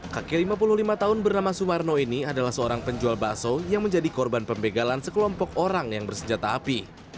kakek lima puluh lima tahun bernama sumarno ini adalah seorang penjual bakso yang menjadi korban pembegalan sekelompok orang yang bersenjata api